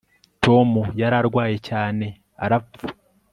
Tom yararwaye cyane arapfa